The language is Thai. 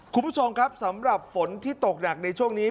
คุณผู้ชมครับสำหรับฝนที่ตกหนักในช่วงนี้